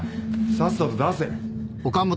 さっさと出せ。